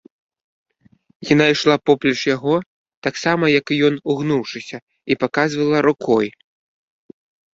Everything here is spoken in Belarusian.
Яна ішла поплеч яго, таксама як і ён, угнуўшыся, і паказвала рукой.